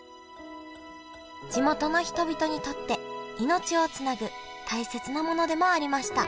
地元の人々にとって命をつなぐ大切なものでもありました